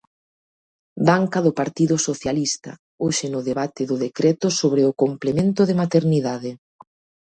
Banca do Partido Socialista, hoxe no debate do decreto sobre o complemento de maternidade.